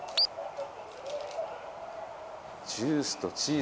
ジュースとチーズ。